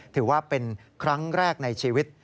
ถือว่าเป็นครั้งแรกในชีวิต